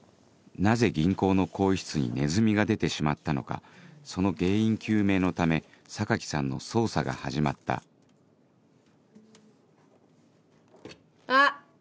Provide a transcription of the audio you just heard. なぜ銀行の更衣室にネズミが出てしまったのかその原因究明のため酒木さんの捜査が始まったあっ。